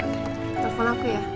telepon aku ya